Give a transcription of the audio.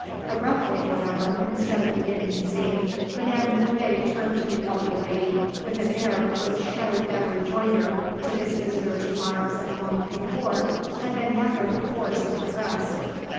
Abruptly, however, instead of beginning the scene, Madame Carré turned to the elder lady with an air which showed that a rejoinder to this visitor's remarks of a moment before had been gathering force in her breast.